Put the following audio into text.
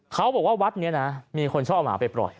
เขาบอกว่าวัดนี้นะมีคนชอบเอาหมาไปปล่อย